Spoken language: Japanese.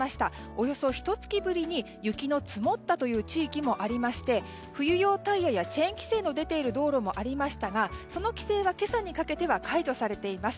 およそひと月ぶりに雪の積もったという地域もありまして冬用タイヤやチェーン規制の出ている道路もありましたがその規制は今朝にかけては解除されています。